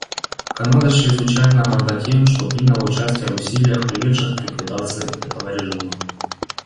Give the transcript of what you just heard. Канада чрезвычайно горда тем, что приняла участие в усилиях, приведших к ликвидации этого режима.